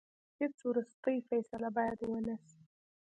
هیڅ وروستۍ فیصله باید ونه سي.